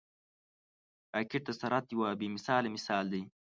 راکټ د سرعت یو بې مثاله مثال دی